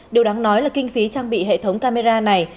điều đáng nói là kinh phí trang bị hệ thống camera này